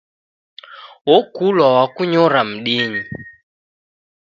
Okulwa wakunyora mdinyi